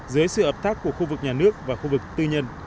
dưới sự hợp tác của khu vực nhà nước và khu vực tư nhân